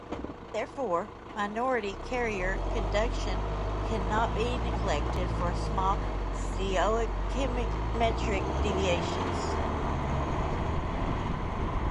Therefore, minority carrier conduction cannot be neglected for small stoichiometric deviations.